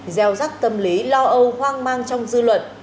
gieo rắc tâm lý lo âu hoang mang trong dư luận